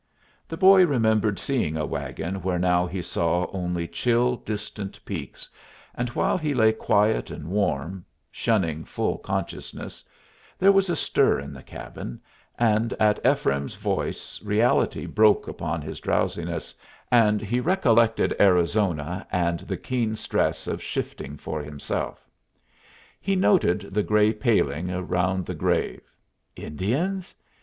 The boy remembered seeing a wagon where now he saw only chill, distant peaks, and while he lay quiet and warm, shunning full consciousness, there was a stir in the cabin, and at Ephraim's voice reality broke upon his drowsiness, and he recollected Arizona and the keen stress of shifting for himself. He noted the gray paling round the grave. Indians?